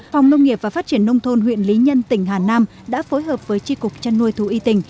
phòng nông nghiệp và phát triển nông thôn huyện lý nhân tỉnh hà nam đã phối hợp với tri cục chăn nuôi thú y tỉnh